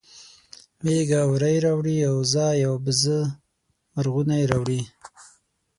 مېږه وری راوړي اوزه یا بزه مرغونی راوړي